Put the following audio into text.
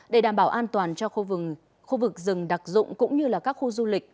để đảm bảo an toàn cho khu vực rừng đặc dụng cũng như các khu du lịch